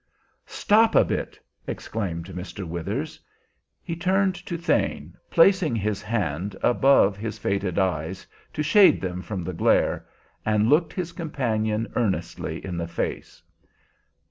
"Stop a bit!" exclaimed Mr. Withers. He turned to Thane, placing his hand above his faded eyes to shade them from the glare, and looked his companion earnestly in the face.